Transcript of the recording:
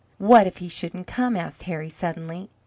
"What if he shouldn't come?" asks Harry, suddenly.